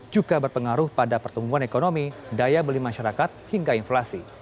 juga berpengaruh pada pertumbuhan ekonomi daya beli masyarakat hingga inflasi